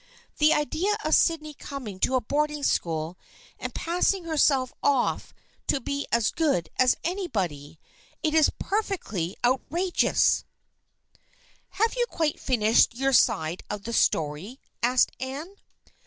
The idea of Sydney coming to a boarding school and passing herself off to be as good as anybody ! It is per fectly outrageous." THE FRIENDSHIP OF ANNE 239 " Have you quite finished your side of the story ?" asked Anne.